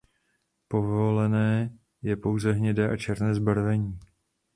Povolené je pouze hnědé a černé zbarvení.